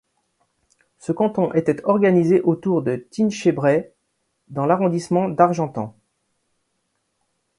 Ce canton était organisé autour de Tinchebray dans l'arrondissement d'Argentan.